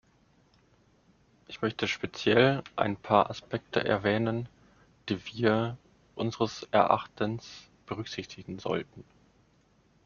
Ich möchte speziell ein paar Aspekte erwähnen, die wir unseres Erachtens berücksichtigen sollten.